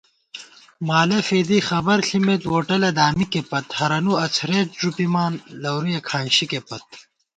مالہ فېدی خبر ݪِمېت ووٹَلہ دامِکے پت * ہرَنُو اڅَھرېت ݫُپِمان لَورُیَہ کھانشِکے پت